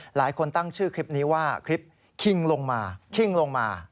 หลายคนตั้งชื่อคลิปนี้ว่าคลิปคิงลงมาคิงลงมา